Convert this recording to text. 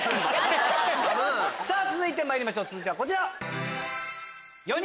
続いてまいりましょうこちら。